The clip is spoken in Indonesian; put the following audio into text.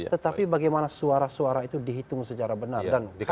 tetapi bagaimana suara suara itu dihitung secara benar